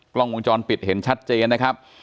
กล้องวงจรปิดเห็นชัดเจนนะครับ